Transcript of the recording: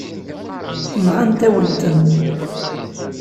Nɣant-awen-ten.